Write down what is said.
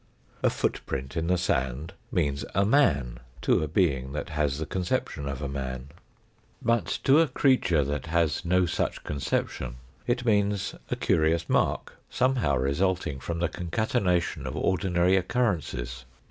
A footprint in the sand means a man to a being that has the con ception of a man. But to a creature that has no such conception, it means a curious mark, somehow resulting from the concatenation of ordinary occurrences.